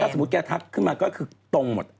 สมมุติแกทักขึ้นมาก็คือตรงหมด